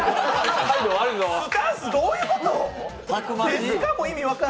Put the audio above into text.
スタンスどういうこと？